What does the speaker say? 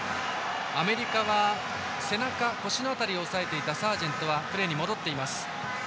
アメリカは背中、腰の辺りを押さえていたサージェントはプレーに戻っています。